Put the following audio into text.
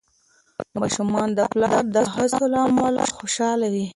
ماشومان د پلار د هڅو له امله خوشحال وي.